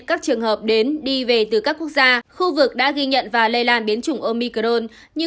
các trường hợp đến đi về từ các quốc gia khu vực đã ghi nhận và lây lan biến chủng omicron như